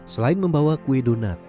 selain membawa kue donat